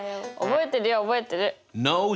覚えてるよ覚えてる！